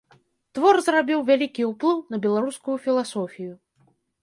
Твор зрабіў вялікі ўплыў на беларускую філасофію.